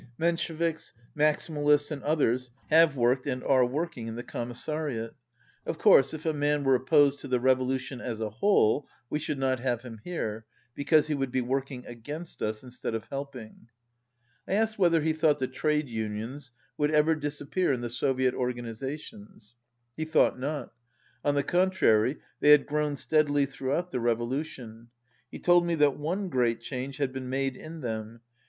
Men sheviks. Maximalists and others have worked and are working in the Commissariat. Of course if a man were opposed to the revolution as a whole we should not have him here, because he would be working against us instead of helping." I asked whether he thought the trade unions would ever disappear in the Soviet organizations. He thought not. On the contrary, they had grown steadily throughout the revolution. He told me that one great change had been made in them.